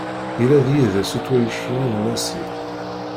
Yella d yid-s uṭwayci-nni n Massi.